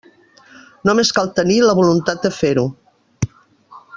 Només cal tenir la voluntat de fer-ho.